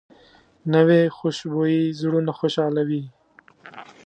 نوې خوشبويي زړونه خوشحالوي